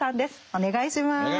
お願いします。